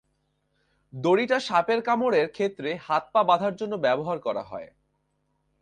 দড়িটা সাপের কামড়ের ক্ষেত্রে হাত-পা বাঁধার জন্য ব্যবহার করা হয়।